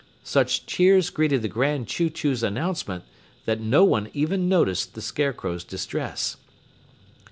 Such cheers greeted the Grand Chew Chew's announcement that no one even noticed the Scarecrow's distress.